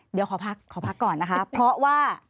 เดี๋ยวขอพักขอพักก่อนนะคะเพราะว่า